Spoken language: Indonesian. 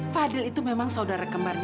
fadil itu memang saudara kembarnya